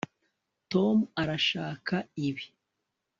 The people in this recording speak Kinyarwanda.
tom arashaka ibi